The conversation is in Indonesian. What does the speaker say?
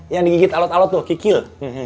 yang digigit alut alut tuh kikil